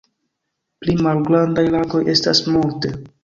Pli malgrandaj lagoj estas multe.